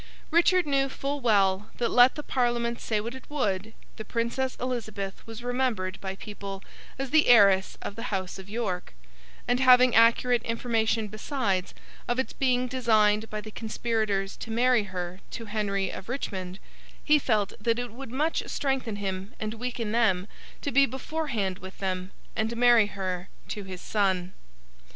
Richard knew full well that, let the Parliament say what it would, the Princess Elizabeth was remembered by people as the heiress of the house of York; and having accurate information besides, of its being designed by the conspirators to marry her to Henry of Richmond, he felt that it would much strengthen him and weaken them, to be beforehand with them, and marry her to his son.